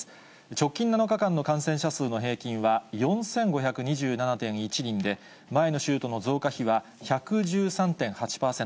直近７日間の感染者数の平均は４５２７．１人で、前の週との増加比は１１３．８％。